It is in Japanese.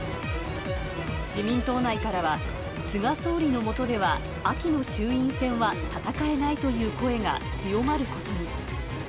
自民党内からは、菅総理の下では秋の衆院選は戦えないという声が強まることに。